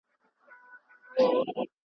څو وږي تږي، څو بیکوره ګرزي